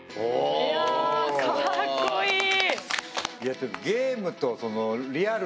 いやあかっこいい。